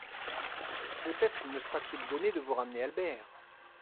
Peut-être me sera-t-il donné de vous ramener Albert.